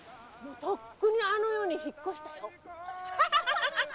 とっくにあの世に引っ越したよ。